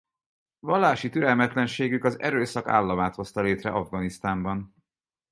Vallási türelmetlenségük az erőszak államát hozta létre Afganisztánban.